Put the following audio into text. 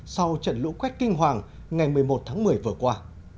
sau trận lũ quét kinh hoàng ngày một mươi một tháng một mươi vừa qua